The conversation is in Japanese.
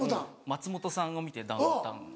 松本さんを見てダウンタウンの。